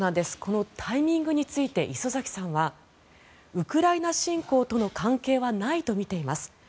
このタイミングについて礒崎さんはウクライナ侵攻との関係はないとみています。